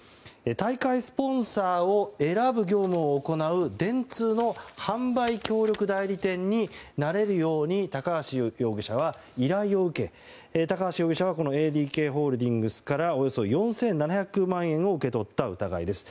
大会スポンサーを選ぶ業務を行う電通の販売協力代理店になれるように高橋容疑者は依頼を受け高橋容疑者はＡＤＫホールディングスからおよそ４７００万円を受け取った疑いです。